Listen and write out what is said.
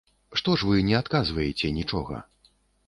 Што ж вы не адказваеце нічога?